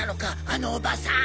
あのおばさん！